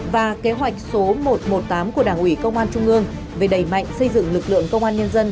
và kế hoạch số một trăm một mươi tám của đảng ủy công an trung ương về đẩy mạnh xây dựng lực lượng công an nhân dân